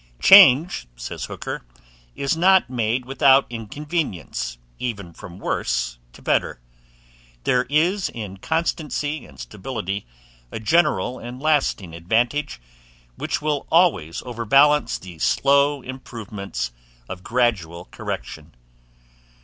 Change, says Hooker, is not made without inconvenience, even from worse to better. There is in constancy and stability a general and lasting advantage, which will always overbalance the slow improvements of gradual correction.